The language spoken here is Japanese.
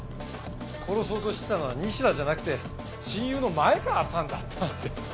殺そうとしてたのは西田じゃなくて親友の前川さんだったなんて。